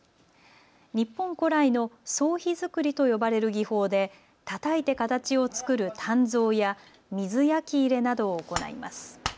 日本古来の総火造りと呼ばれる技法でたたいて形を作る鍛造や水焼入れなどを行います。